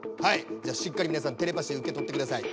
じゃしっかりみなさんテレパシーうけとってください。